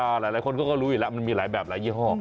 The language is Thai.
หลายคนก็รู้อยู่แล้วมันมีหลายแบบหลายยี่ห้อ